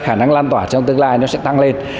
khả năng lan tỏa trong tương lai nó sẽ tăng lên